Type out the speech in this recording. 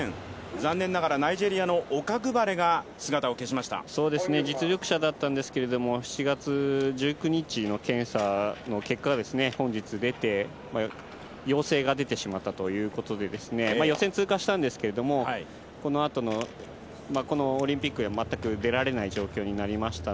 高平さん、実は５レーン、残念ながらナイジェリアのオカグバレが実力者だったんですけれど、７月１９日の検査の結果が本日出て、陽性が出てしまったということで予選通過したんですけどこのオリンピックには全く出られない状況になりました。